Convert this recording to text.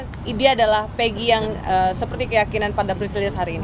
maka dia adalah peggy yang seperti keyakinan pada priscilia sehari ini